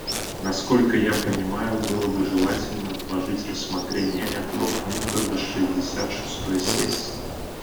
Насколько я понимаю, было бы желательно отложить рассмотрение этого пункта до шестьдесят шестой сессии.